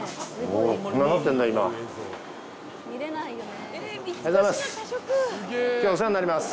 おはようございます。